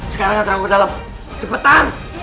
ya sekarang ke dalam cepetan